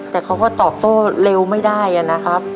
แต่เขาก็ตอบโต้เร็วไม่ได้นะครับ